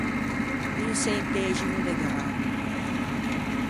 Un çenteximo de grammo.